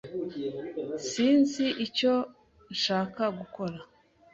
Sinzi icyo nshaka gukora.